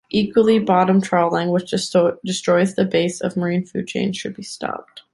Equally, bottom trawling, which destroys the base of marine food chains, should be stopped.